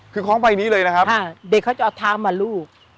คือคล้องใบนี้เลยนะครับเด็กเขาจะเอาเท้ามาลูบ